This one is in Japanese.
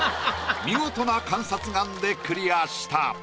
見事な観察眼でクリアした。